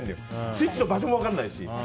スイッチの場所も分からないし。